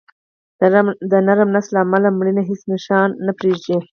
د نرم نسج له امله مړینه هیڅ نښه نه پرېږدي.